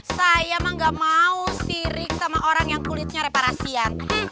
saya emang gak mau sirik sama orang yang kulitnya reparasian